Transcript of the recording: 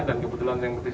dan kebetulan yang berisik